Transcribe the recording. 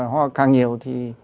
ho càng nhiều thì